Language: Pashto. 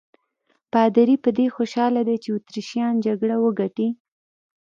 پادري په دې خوشاله دی چې اتریشیان جګړه وګټي.